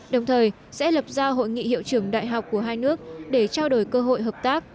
đồng thời sẽ lập ra hội nghị hiệu trưởng đại học của hai nước để trao đổi cơ hội hợp tác